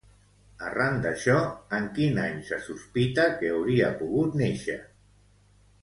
Arran d'això, en quin any se sospita que hauria pogut néixer?